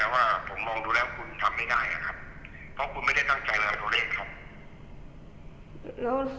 ว่าผมมองดูแล้วคุณทำไม่ได้นะครับเพราะคุณไม่ได้ตั้งใจเราเอาตัวเลขครับ